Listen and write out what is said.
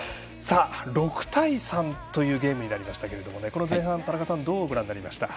６対３というゲームになりましたけれども前半、田中さんはどうご覧になりましたか。